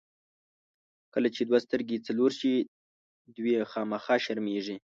کله چې دوه سترګې څلور شي، دوې خامخا شرمېږي.